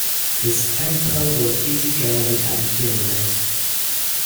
His temper was easy-going and humorous.